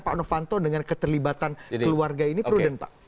pak novanto dengan keterlibatan keluarga ini prudent pak